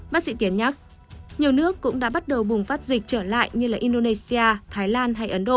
bác sĩ kiến nhắc nhiều nước cũng đã bắt đầu bùng phát dịch trở lại như indonesia thái lan hay ấn độ